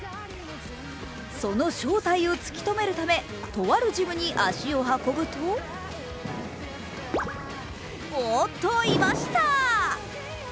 その正体を突き止めるためとあるジムに足を運ぶとおっと、いました！